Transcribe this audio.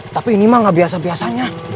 tapi ini mah gak biasa biasanya